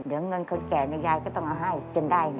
เดี๋ยวเงินคนแก่ยายก็ต้องเอาให้จนได้ไง